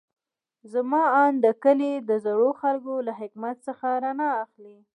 زما اند د کلي د زړو خلکو له حکمت څخه رڼا اخلي.